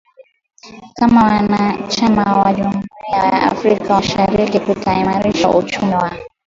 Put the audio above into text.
kama mwanachama wa jumuia ya Afrika mashariki kutaimarisha uchumi wa